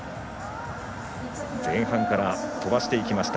前半からは飛ばしていきました。